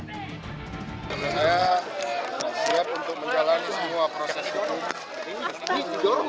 saya siap untuk menjalani semua proses hukum